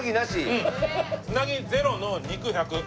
つなぎ０の肉１００。